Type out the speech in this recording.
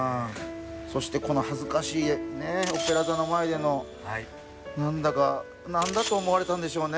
そしてこの恥ずかしい画オペラ座の前での何だか何だと思われたんでしょうね